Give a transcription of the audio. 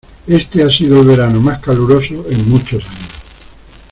Este ha sido el verano más caluroso en muchos años.